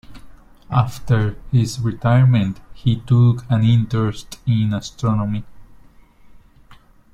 After his retirement he took an interest in astronomy.